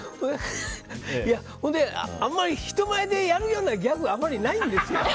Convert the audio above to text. あんまり人前でやるようなギャグないんですよ。